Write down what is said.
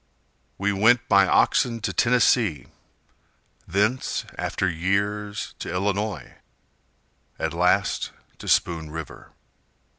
We went by oxen to Tennessee, Thence after years to Illinois, At last to Spoon River.